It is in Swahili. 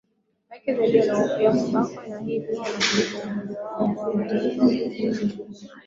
wake zaidi wanahofia kubakwa na hivi imepelekea umoja huo wa mataifa kubuni tume maalum